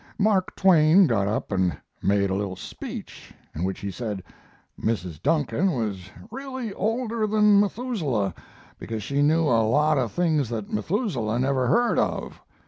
Mark Twain got up and made a little speech, in which he said Mrs. Duncan was really older than Methuselah because she knew a lot of things that Methuselah never heard of.